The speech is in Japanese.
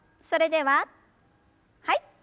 それでははい。